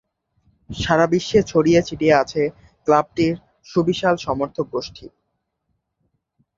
সারাবিশ্বে ছড়িয়ে ছিটিয়ে আছে ক্লাবটির সুবিশাল সমর্থক গোষ্ঠী।